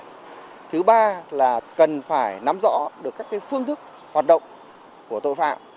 thứ ba là cần phải nắm rõ được các phương thức hoạt động của tội phạm